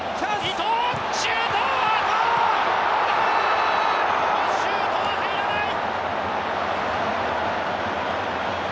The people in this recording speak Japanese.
伊東のシュートは入らない！